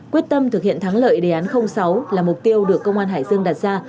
quyết tâm thực hiện thắng lợi đề án sáu là mục tiêu được công an hải dương đặt ra